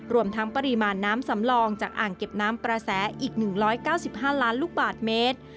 รวมทั้งปริมาณน้ำสำรองจากอ่างเก็บน้ำประแสอีก๑๙๕ล้านลูกบาทเมตร